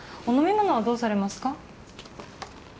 お飲み物はどうされますか？